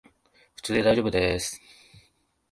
普通でだいじょうぶです